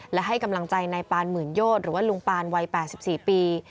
และให้กำลังใจนายปานหมื่นโยชน์หรือว่าลุงปานวัย๘๔ปี